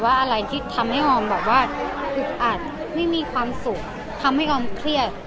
ว่าอะไรที่ทำให้อ้อมอึดอัดไม่มีความสุขทำให้อ้อมเครียด